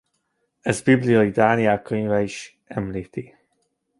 Ezt a bibliai Dániel könyve is említi.